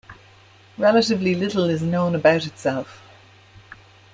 Relatively little is known about itself.